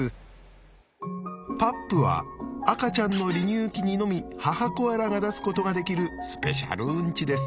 パップは赤ちゃんの離乳期にのみ母コアラが出すことができるスペシャルウンチです。